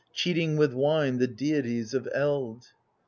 Cheating with wine the deities of eld.